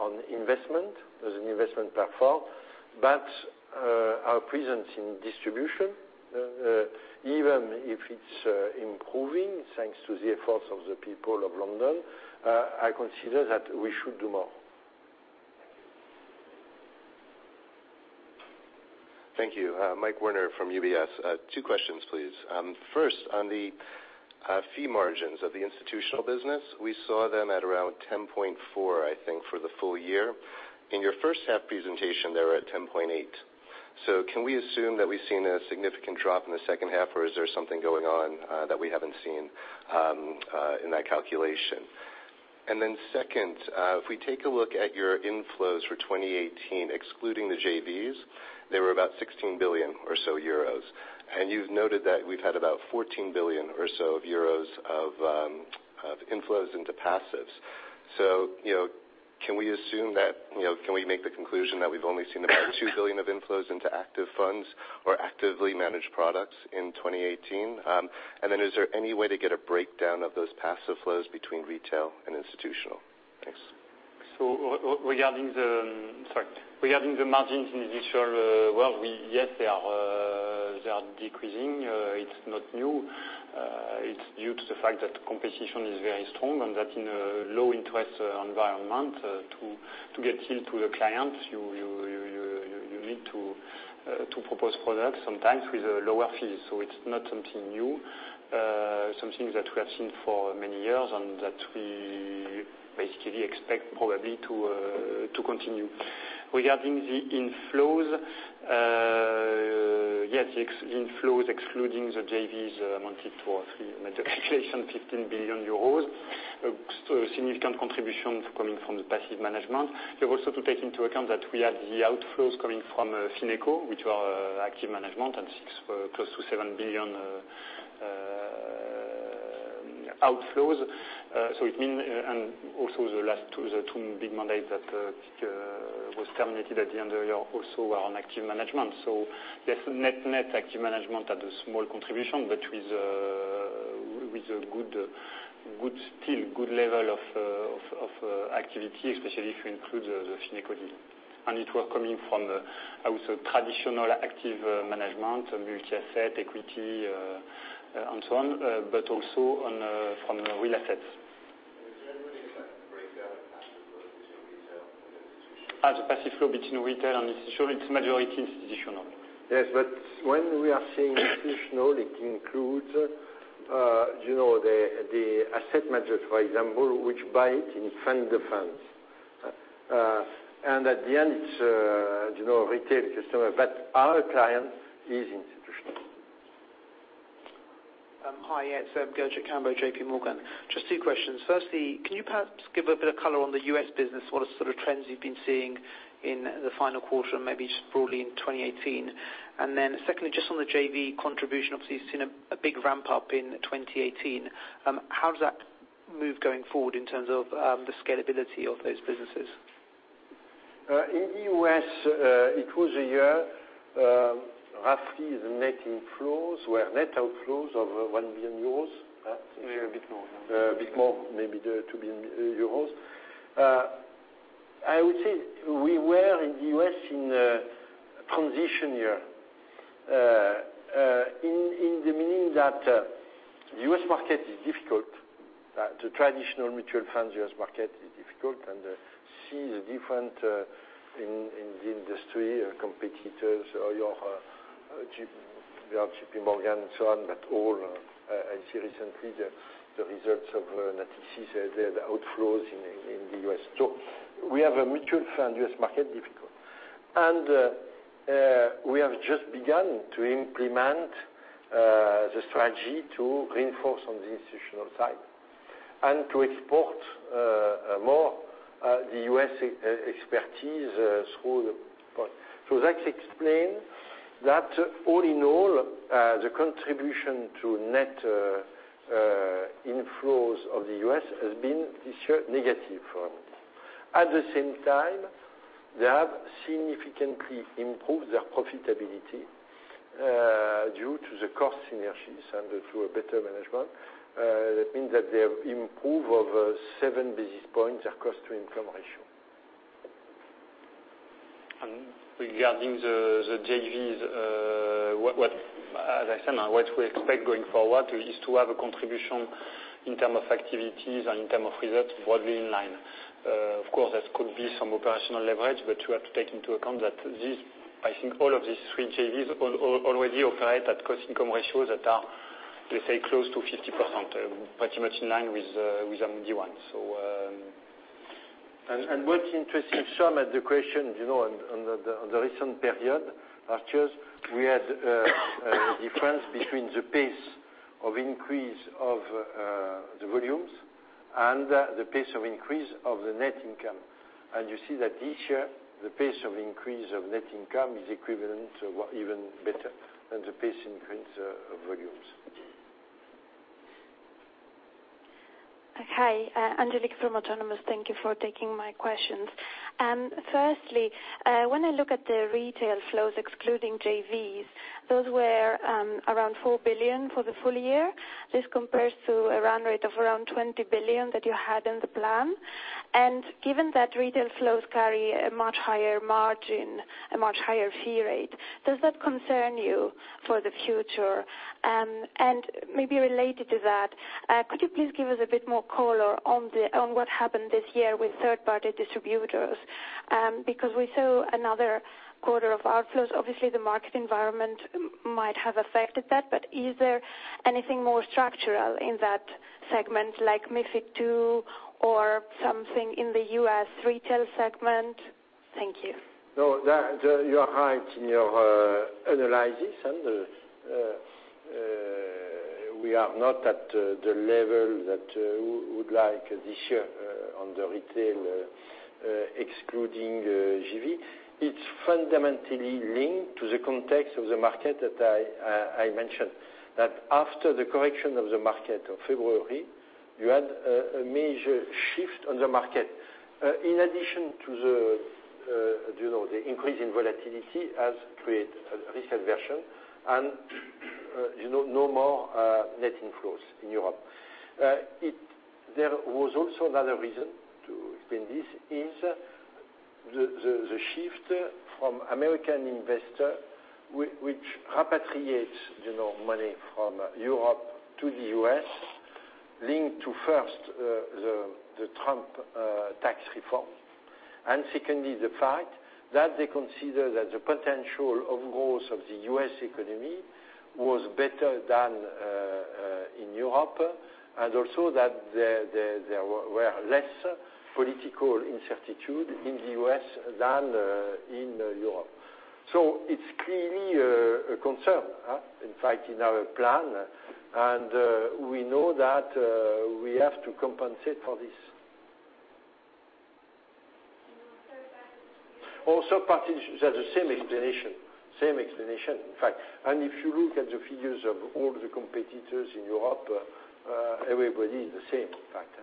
on investment, there's an investment platform, but our presence in distribution, even if it's improving, thanks to the efforts of the people of London, I consider that we should do more. Thank you. Mike Werner from UBS. Two questions, please. First, on the fee margins of the institutional business, we saw them at around 10.4, I think, for the full year. In your first half presentation, they were at 10.8. Can we assume that we've seen a significant drop in the second half, or is there something going on that we haven't seen in that calculation? Second, if we take a look at your inflows for 2018, excluding the JVs, they were about 16 billion or so. You've noted that we've had about 14 billion or so of inflows into passives. Can we make the conclusion that we've only seen about 2 billion of inflows into active funds or actively managed products in 2018? Is there any way to get a breakdown of those passive flows between retail and institutional? Thanks. Regarding the margins in institutional, well, yes, they are decreasing. It's not new. It's due to the fact that competition is very strong and that in a low interest environment, to get sold to the clients, you need to propose products sometimes with lower fees. It's not something new. Something that we have seen for many years and that we basically expect probably to continue. Regarding the inflows. Yes, the inflows excluding the JVs amounted to, I made the calculation, 15 billion. Significant contributions coming from the passive management. You have also to take into account that we had the outflows coming from FinecoBank, which were active management and 6 billion, close to 7 billion of outflows. The two big mandates that was terminated at the end of the year also were on active management. Yes, net active management had a small contribution, but with a still good level of activity, especially if you include the FinecoBank deal. It was coming from also traditional active management, multi-asset, equity, and so on, but also from real assets. Generally is that breakdown of passive flow between retail and institutional? As a passive flow between retail and institutional, it's majority institutional. Yes, when we are saying institutional, it includes the asset managers, for example, which buy it in fund to fund. At the end it's a retail customer, but our client is institutional. Hi, it's Gurjit Kambo, JPMorgan. Just two questions. Firstly, can you perhaps give a bit of color on the U.S. business, what sort of trends you've been seeing in the final quarter and maybe just broadly in 2018? Secondly, just on the JV contribution, obviously you've seen a big ramp-up in 2018. How does that move going forward in terms of the scalability of those businesses? In the U.S., it was a year, roughly the net inflows were net outflows of 1 billion euros. Maybe a bit more. A bit more, maybe 2 billion euros. I would say we were in the U.S. in a transition year, in the meaning that the U.S. market is difficult. The traditional mutual fund U.S. market is difficult and sees the different, in the industry, competitors, your JP Morgan and so on, but all. I see recently the results of Natixis, they had outflows in the U.S. We have a mutual fund U.S. market difficult. We have just begun to implement the strategy to reinforce on the institutional side and to export more the U.S. expertise through the product. That explains that all in all, the contribution to net inflows of the U.S. has been, this year, negative for us. At the same time, they have significantly improved their profitability, due to the cost synergies and through a better management. That means that they have improved over seven basis points, their cost-to-income ratio. Regarding the JVs, as I said, what we expect going forward is to have a contribution in term of activities and in term of results broadly in line. Of course, there could be some operational leverage, but you have to take into account that all of these three JVs already operate at cost income ratios that are close to 50%, pretty much in line with Amundi ones. What's interesting, some of the questions on the recent period, last year, we had a difference between the pace of increase of the volumes and the pace of increase of the net income. You see that each year, the pace of increase of net income is equivalent or even better than the pace increase of volumes. Hi, Angelique from Autonomous. Thank you for taking my questions. Firstly, when I look at the retail flows excluding JVs, those were around 4 billion for the full year. This compares to a run rate of around 20 billion that you had in the plan. Given that retail flows carry a much higher margin, a much higher fee rate, does that concern you for the future? Maybe related to that, could you please give us a bit more color on what happened this year with third-party distributors? Because we saw another quarter of outflows. Obviously, the market environment might have affected that, but is there anything more structural in that segment, like MiFID II or something in the U.S. retail segment? Thank you. No, you are right in your analysis. We are not at the level that we would like this year on the retail, excluding JV. It's fundamentally linked to the context of the market that I mentioned. After the correction of the market of February, you had a major shift on the market. In addition to the increase in volatility has created a risk aversion and no more net inflows in Europe. There was also another reason to explain this, is the shift from American investor, which repatriates money from Europe to the U.S., linked to first, the Trump tax reform. Secondly, the fact that they consider that the potential of growth of the U.S. economy was better than in Europe, and also that there were less political incertitude in the U.S. than in Europe. It's clearly a concern, in fact, in our plan. We know that we have to compensate for this. On third-party distributors? Third-party distributors, they are the same explanation. Same explanation, in fact. If you look at the figures of all the competitors in Europe, everybody is the same, in fact.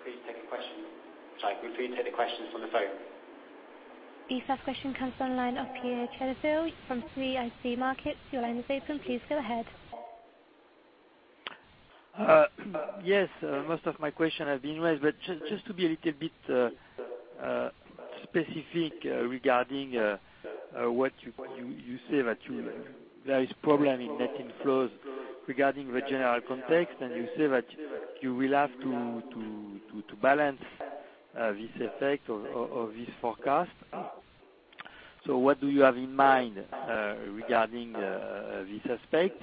Questions from the phone line. Can we please take a question? Sorry, can we please take the questions from the phone? The first question comes on the line of Pierre Cherizet from CICC Markets. Your line is open. Please go ahead. Yes. Most of my question has been raised, but just to be a little bit specific regarding what you say that there is problem in net inflows regarding the general context, and you say that you will have to balance this effect of this forecast. What do you have in mind regarding this aspect?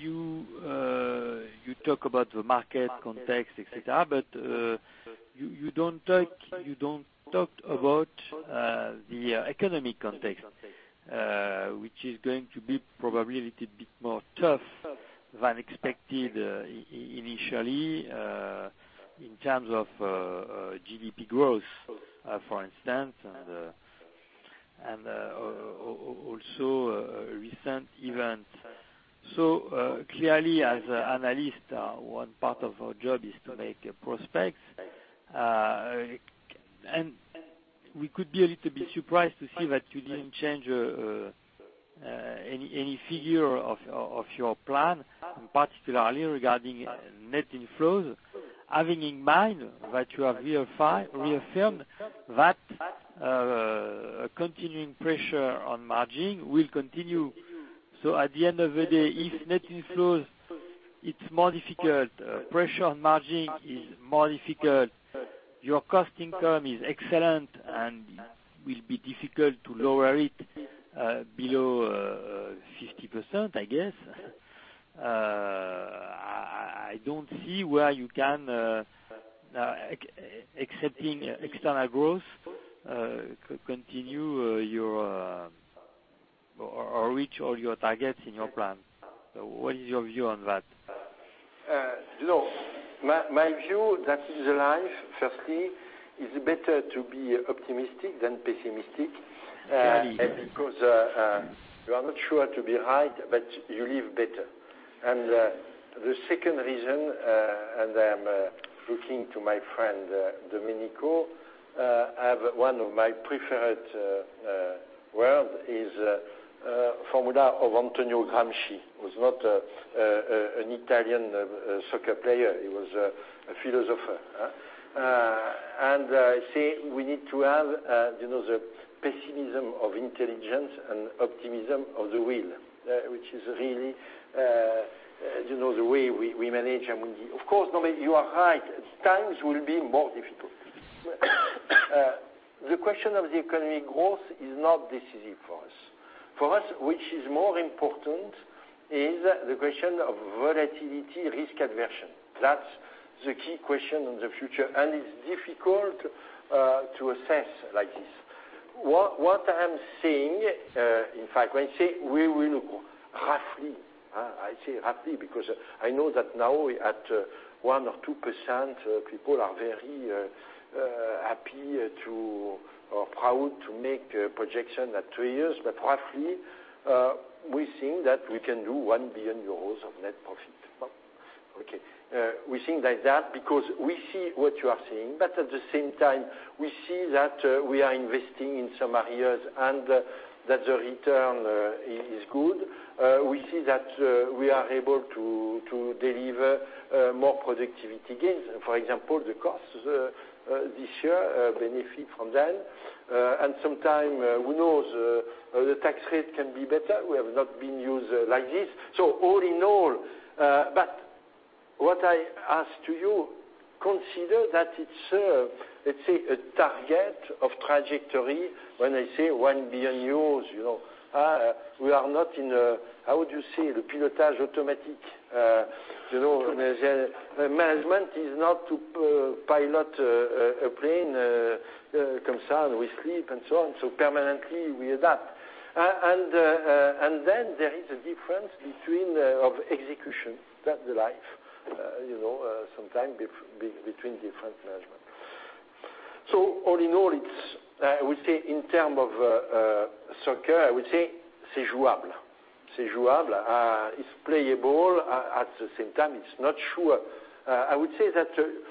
You talk about the market context, et cetera, but you don't talk about the economic context, which is going to be probably a little bit more tough than expected initially, in terms of GDP growth, for instance, and also recent events. Clearly, as analysts, one part of our job is to make prospects. We could be a little bit surprised to see that you didn't change any figure of your plan, particularly regarding net inflows, having in mind that you have reaffirmed that a continuing pressure on margin will continue. At the end of the day, if net inflows, it's more difficult, pressure on margin is more difficult. Your cost income is excellent and will be difficult to lower it below 50%, I guess. I don't see where you can, excepting external growth, continue or reach all your targets in your plan. What is your view on that? My view, that is life, firstly, it's better to be optimistic than pessimistic. Clearly Because you are not sure to be right, but you live better. The second reason, I am looking to my friend Domenico, I have one of my preferred word is Formula of Antonio Gramsci, who's not an Italian soccer player, he was a philosopher. Say we need to have the pessimism of intelligence and optimism of the will, which is really the way we manage Amundi. Of course, you are right, times will be more difficult. The question of the economic growth is not decisive for us. For us, which is more important is the question of volatility risk aversion. That's the key question in the future, and it's difficult to assess like this. What I'm saying, in fact, when I say we will roughly, I say roughly because I know that now at 1% or 2%, people are very happy to, or proud to make a projection at three years. Roughly, we think that we can do 1 billion euros of net profit. Okay. We think like that because we see what you are seeing, at the same time, we see that we are investing in some areas and that the return is good. We see that we are able to deliver more productivity gains. For example, the costs, this year benefit from them. Sometime, who knows, the tax rate can be better. We have not been used like this. What I ask to you, consider that it's a target of trajectory when I say 1 billion euros. We are not in a, how would you say, the automatic. The management is not to pilot a plane concerned with sleep and so on. Permanently we adapt. There is a difference between of execution. That's the life, sometime between different management. I would say in term of soccer, I would say is playable. At the same time, it's not sure. I would say that you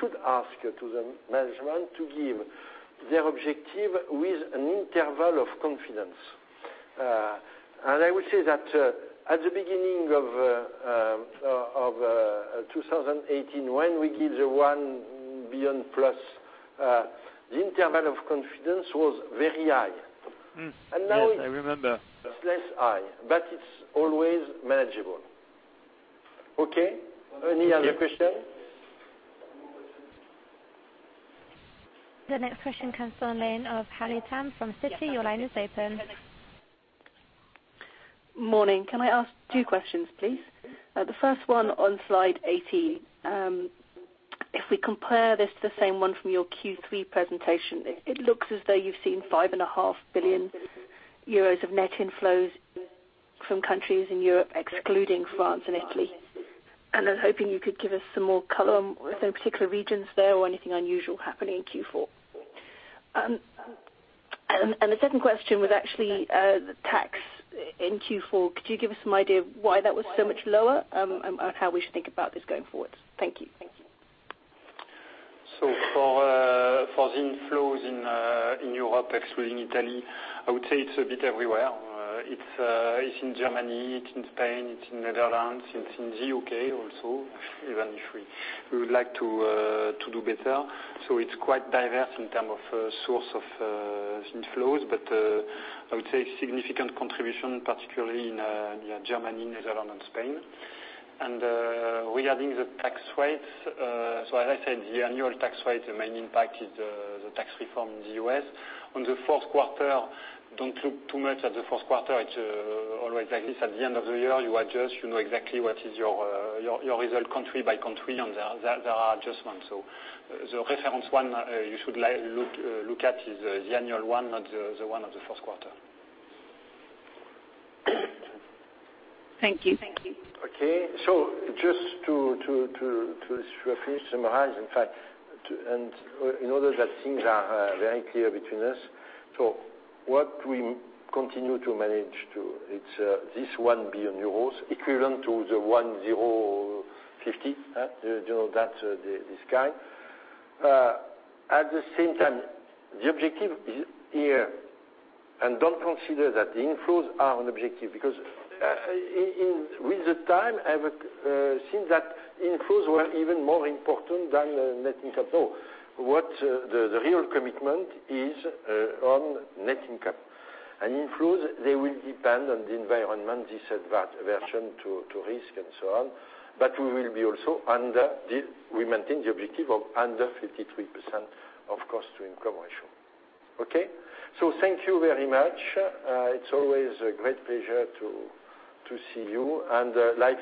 should ask to the management to give their objective with an interval of confidence. I would say that at the beginning of 2018, when we give the 1 billion plus, the interval of confidence was very high. Yes, I remember. Now it's less high, but it's always manageable. Okay. Any other question? The next question comes from the line of Haley Tam from Citi. Your line is open. Morning. Can I ask two questions, please? The first one on slide 18. If we compare this to the same one from your Q3 presentation, it looks as though you've seen 5.5 billion euros of net inflows from countries in Europe, excluding France and Italy. I'm hoping you could give us some more color on if there are particular regions there or anything unusual happening in Q4. The second question was actually, the tax in Q4. Could you give us some idea of why that was so much lower, and how we should think about this going forward? Thank you. For the inflows in Europe, excluding Italy, I would say it's a bit everywhere. It's in Germany, it's in Spain, it's in Netherlands, it's in the U.K. also, even if we would like to do better. It's quite diverse in term of source of inflows. I would say significant contribution, particularly in Germany, Netherlands, and Spain. Regarding the tax rates, as I said, the annual tax rate, the main impact is the tax reform in the U.S. On the fourth quarter, don't look too much at the fourth quarter. It's always like this. At the end of the year, you adjust. You know exactly what is your result country by country, and there are adjustments. The reference one you should look at is the annual one, not the one of the first quarter. Thank you. Okay. Just to roughly summarize, in fact, in order that things are very clear between us, what we continue to manage to, it's this 1 billion euros, equivalent to the 1,050. That's this kind. At the same time, the objective is here. Don't consider that the inflows are an objective, because with the time, I would think that inflows were even more important than net income. No. What the real commitment is on net income. Inflows, they will depend on the environment, this aversion to risk and so on. We maintain the objective of under 53% of cost-to-income ratio. Okay? Thank you very much. It's always a great pleasure to see you.